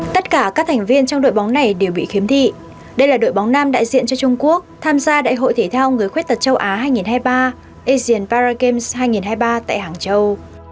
tất cả các thành viên trong đội bóng này đều bị khiếm thị đây là đội bóng nam đại diện cho trung quốc tham gia đại hội thể thao người khuyết tật châu á hai nghìn hai mươi ba asian paragams hai nghìn hai mươi ba tại hàng châu